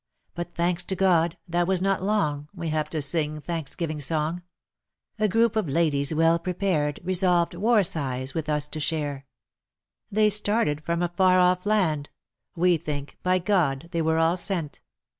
But thanks to God, that was not long. We have to sing thanksgiving song, — A group of ladies well prepared Resolved war sighs with us to share; They started from a far off land, We think by God they were all sent.